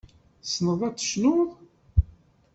Tessneḍ ad tecnuḍ?